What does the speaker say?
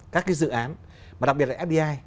các dự án đặc biệt là fbi